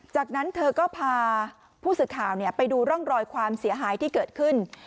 จากนั้นเธอก็พาผู้สื่อข่าวไปดูร่องรอยความเสียหายที่เกิดขึ้น